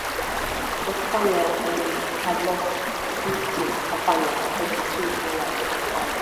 The Spaniards had lost fifty companions, including two who were taken alive.